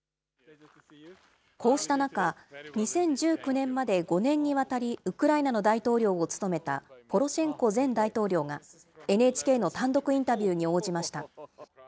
こうした中、２０１９年まで５年にわたり、ウクライナの大統領を務めた、ポロシェンコ前大統領がＮＨＫの単独インタビューに応じました。